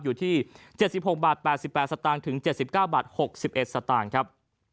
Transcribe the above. อยู่ที่เจ็ดสิบหกบาทแปดสิบแปดสตางค์ถึงเจ็ดสิบเก้าบาทหกสิบเอ็ดสตางค์ครับ